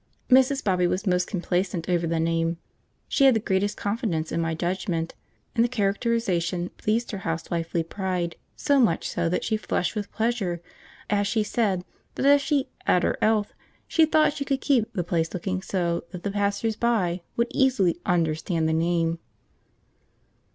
Mrs. Bobby was most complacent over the name. She had the greatest confidence in my judgment, and the characterisation pleased her housewifely pride, so much so that she flushed with pleasure as she said that if she 'ad 'er 'ealth she thought she could keep the place looking so that the passers by would easily h'understand the name.